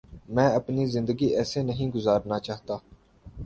میں اپنی زندگی ایسے نہیں گزارنا چاہتا۔